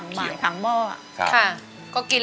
อันดับนี้เป็นแบบนี้